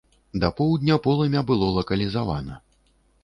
Да поўдня полымя было лакалізавана.